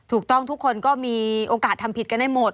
ทุกคนก็มีโอกาสทำผิดกันได้หมด